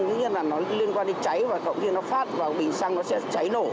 tuy nhiên là nó liên quan đến cháy và cộng nhiên nó phát vào bình xăng nó sẽ cháy nổ